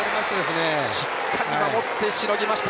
しっかり守ってしのぎました。